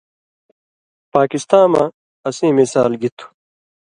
پاکستاں مہ اسیں مثال گی تُھو؟